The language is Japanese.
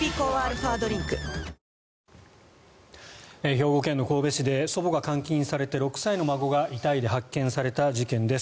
兵庫県の神戸市で祖母が監禁されて６歳の孫が遺体で発見された事件です。